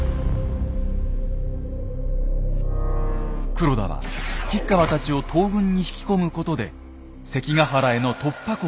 黒田は吉川たちを東軍に引き込むことで関ヶ原への突破口を切り開こうとしたのです。